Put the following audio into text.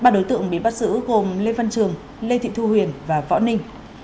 ba đối tượng bị bắt giữ gồm lê văn trường lê thị thu huyền và võ ninh